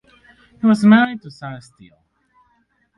He was married to Sarah Still.